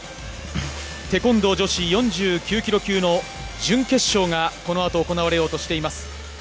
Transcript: テコンドー女子４９ｋｇ級の準決勝がこのあと行われようとしています。